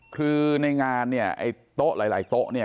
คือในงานเนี่ยไอ้โต๊ะหลายโต๊ะเนี่ย